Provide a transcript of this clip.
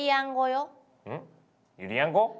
ゆりやん語？